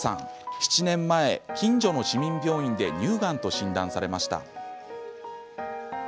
７年前、近所の市民病院で乳がんと診断されました。